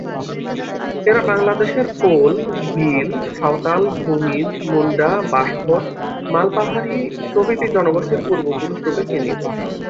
এরা বাংলাদেশের কোল, ভীল, সাঁওতাল, ভূমিজ, মুন্ডা, বাঁশফোড়, মালপাহাড়ি প্রভৃতি জনগোষ্ঠীর পূর্বপুরুষ রূপে চিহ্নিত।